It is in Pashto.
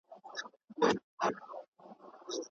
پر لکړه مي د ژوند بارونه ومه